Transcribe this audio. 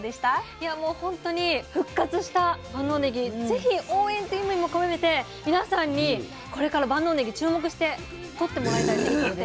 いやもう本当に復活した万能ねぎ是非応援っていう意味も込めて皆さんにこれから万能ねぎ注目してとってもらいたいですので。